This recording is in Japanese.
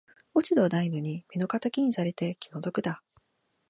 落ち度はないのに目の敵にされて気の毒だ